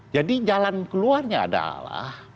jadi jalan keluarnya adalah